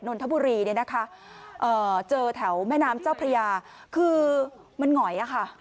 นทบุรีเนี่ยนะคะเอ่อเจอแถวแม่น้ำเจ้าพระยาคือมันหงอยอะค่ะ